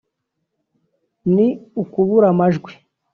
ni ukubura amajwi